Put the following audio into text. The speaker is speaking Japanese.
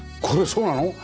これそうなの？